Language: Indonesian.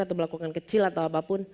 atau melakukan kecil atau apapun